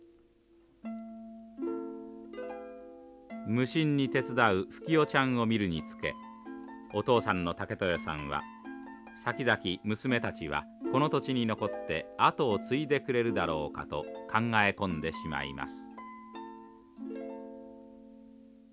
無心に手伝うふき代ちゃんを見るにつけお父さんのたけとよさんはさきざき娘たちはこの土地に残って後を継いでくれるだろうかと考え込んでしまいます。